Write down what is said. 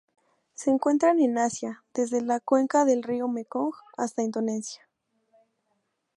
Se encuentran en Asia: desde la cuenca del río Mekong hasta Indonesia.